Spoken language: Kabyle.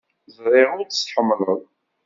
Ẓriɣ ur tt-tḥemmleḍ.